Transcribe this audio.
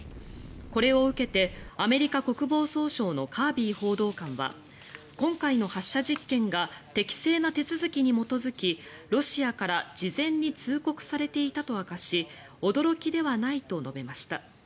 これを受けてアメリカ国防総省のカービー報道官は今回の発射実験が適正な手続きに基づきロシアから事前に通告されていたと明かし驚きではないと述べました。